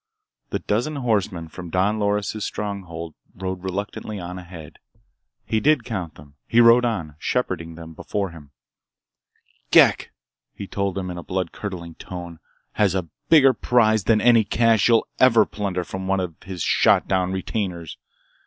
The dozen horsemen from Don Loris' stronghold rode reluctantly on ahead. He did count them. He rode on, shepherding them before him. "Ghek," he told them in a blood curdling tone, "has a bigger prize than any cash you'll plunder from one of his shot down retainers!